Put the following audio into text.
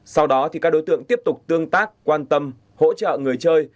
sau đó thì các đối tượng tiếp tục tương tác quan tâm hỗ trợ người chơi